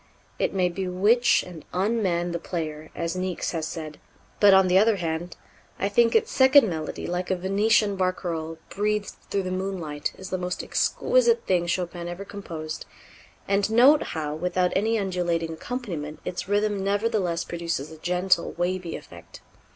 It may bewitch and unman the player, as Niecks has said, but, on the other hand, I think its second melody, like a Venetian barcarolle breathed through the moonlight, is the most exquisite thing Chopin ever composed; and note how, without any undulating accompaniment, its rhythm nevertheless produces a gentle wavy effect.